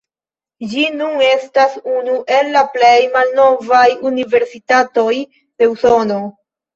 Ĝi nun estas unu el la plej malnovaj universitatoj de Usono.